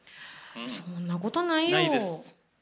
そんなことないよー。